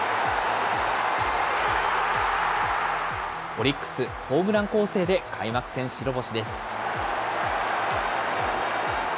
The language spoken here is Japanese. オリックス、ホームラン攻勢で開幕戦白星です。